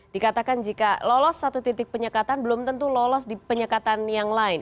dikatakan jika lolos satu titik penyekatan belum tentu lolos di penyekatan yang lain